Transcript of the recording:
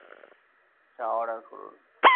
চা অর্ডার করুন।